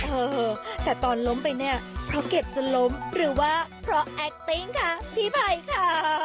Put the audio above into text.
เออแต่ตอนล้มไปเนี่ยเพราะเก็บจนล้มหรือว่าเพราะแอคติ้งคะพี่ภัยค่ะ